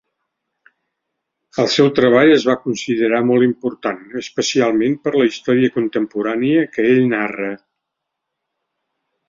El seu treball es va considera molt important, especialment per la història contemporània que ell narra.